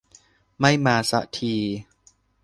ไม่มาซะที